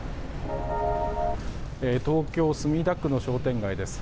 東京・墨田区の商店街です。